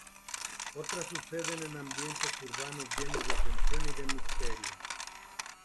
Otras suceden en ambientes urbanos llenos de tensión y de misterio.